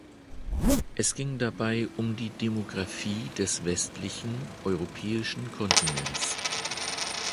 Es ging dabei um die Demografie des westlichen europäischen Kontinents.